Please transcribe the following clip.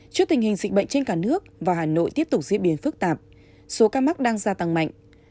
trước tình hình dịch bệnh trên cả nước và hà nội tiếp tục diễn biến phức tạp số ca mắc đang gia tăng mạnh